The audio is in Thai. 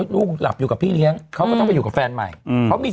ลูกหลับอยู่กับพี่เลี้ยงเขาก็ต้องไปอยู่กับแฟนใหม่เขามี